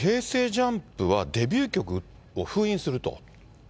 ＪＵＭＰはデビュー曲を封印すると。